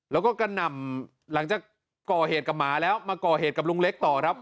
แล้วก็กระหน่ำหลังจากก่อเหตุกับหมาแล้วมาก่อเหตุกับลุงเล็กต่อครับ